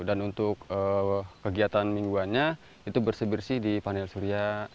dan untuk kegiatan mingguannya itu bersih bersih di panel surya